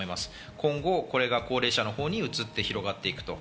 今後、これが高齢者のほうにうつって広がっていく。